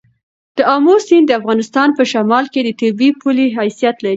د آمو سیند د افغانستان په شمال کې د طبیعي پولې حیثیت لري.